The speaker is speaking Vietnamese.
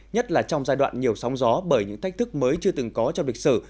nhất là trong giai đoạn nhiều sóng gió bởi những thách thức mới chưa từng có trong lịch sử